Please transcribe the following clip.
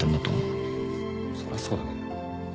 そりゃそうだけど。